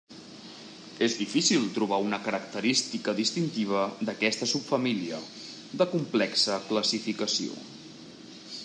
És difícil trobar una característica distintiva d'aquesta subfamília, de complexa classificació.